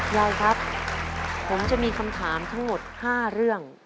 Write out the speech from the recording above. ยายครับผมจะมีคำถามทั้งหมด๕เรื่อง